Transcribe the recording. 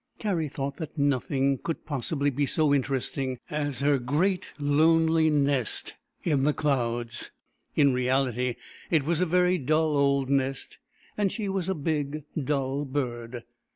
Kari thought that nothing could possibly be so interesting as her great lonely nest in the clouds. In reality, it was a very dull old nest, and she was a big, dull bird.